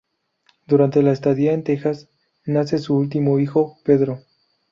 Durante la estadía en Texas, nace su último hijo, Pedro.